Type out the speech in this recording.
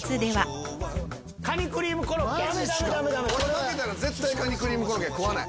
負けたら絶対カニクリームコロッケ食わない。